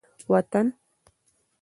وطن